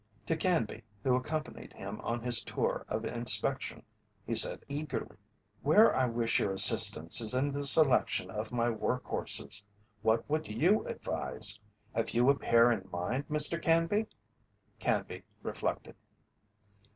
To Canby, who accompanied him on his tour of inspection, he said eagerly: "Where I wish your assistance is in the selection of my work horses. What would you advise? Have you a pair in mind, Mr. Canby?" Canby reflected.